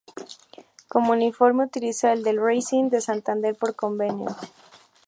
Como uniforme utiliza el del Racing de Santander por convenio.